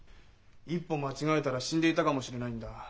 一歩間違えたら死んでいたかもしれないんだ。